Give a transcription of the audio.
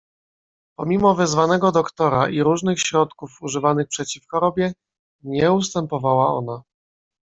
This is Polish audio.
"Pomimo wezwanego doktora i różnych środków używanych przeciw chorobie, nie ustępowała ona."